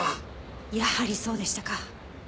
やはりそうでしたか。